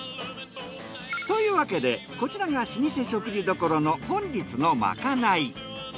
というわけでこちらが老舗食事処の本日のまかない。